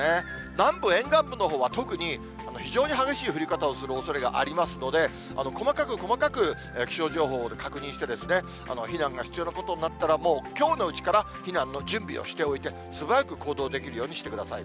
南部沿岸部のほうは特に非常に激しい降り方をするおそれがありますので、細かく細かく気象情報を確認して、避難が必要なことになったら、もうきょうのうちから避難の準備をしておいて、素早く行動できるようにしてください。